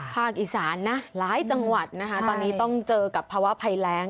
ภาคอีสานนะหลายจังหวัดนะคะตอนนี้ต้องเจอกับภาวะภัยแรง